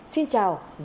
xin chào và hẹn gặp lại